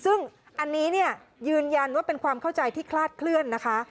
ซึ่งอันนี้เนี่ยยืนยันว่าเป็นความเข้าใจที่คลาดเคลื่อนนะคะ